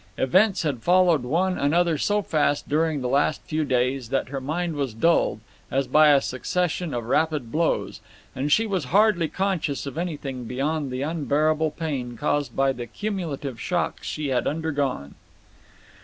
Events had followed one another so fast during the last few days that her mind was dulled, as by a succession of rapid blows, and she was hardly conscious of anything beyond the unbearable pain caused by the cumulative shocks she had undergone.